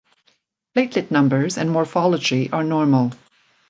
Platelet numbers and morphology are normal.